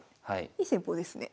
いい戦法ですね。